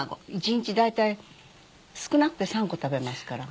１日大体少なくて３個食べますから。